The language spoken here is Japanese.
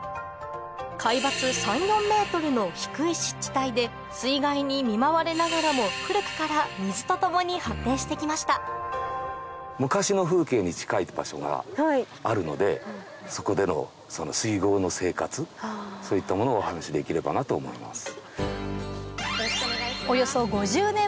海抜３４ｍの低い湿地帯で水害に見舞われながらも古くから水と共に発展して来ましたのでそこでの水郷の生活そういったものをお話しできればなと思います。